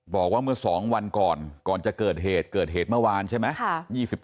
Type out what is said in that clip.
บอกว่าเมื่อ๒วันก่อนก่อนจะเกิดเหตุเกิดเหตุเมื่อวานใช่ไหม